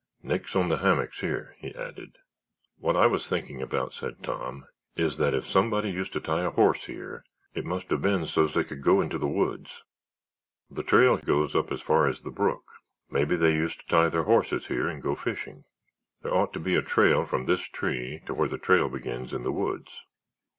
Nix on the hammocks here," he added. "What I was thinking about," said Tom, "is that if somebody used to tie a horse here it must have been so's they could go into the woods. The trail goes as far up as the brook. Maybe they used to tie their horses here and go fishing. There ought to be a trail from this tree to where the trail begins in the woods."